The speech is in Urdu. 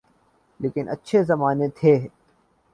لیکن اچھے زمانے تھے۔